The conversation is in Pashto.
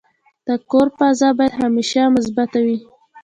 د کور فضا باید همیشه مثبته وي.